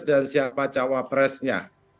dan siapa cawapresnya